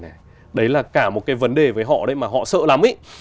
đấy là cả một cái vấn đề với họ đấy mà họ sợ lắm ấy